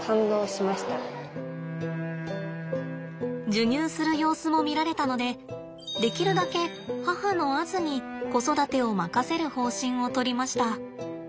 授乳する様子も見られたのでできるだけ母のアズに子育てを任せる方針をとりました。